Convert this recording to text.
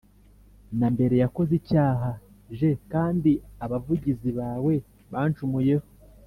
na mbere yakoze icyaha j kandi abavugizi bawe bancumuyeho